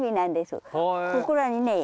ここらにね。